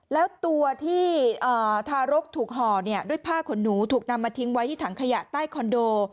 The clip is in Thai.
แล้วตัวที่ทารกถูกห่อด้วยผ้าขนหนูถูกนำมาทิ้งไว้ที่ถังขยะใต้คอนโด